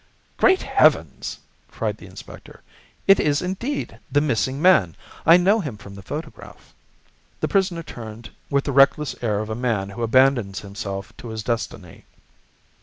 "Great heavens!" cried the inspector, "it is, indeed, the missing man. I know him from the photograph." The prisoner turned with the reckless air of a man who abandons himself to his destiny.